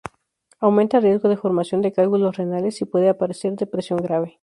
Aumenta el riesgo de formación de cálculos renales y puede aparecer depresión grave.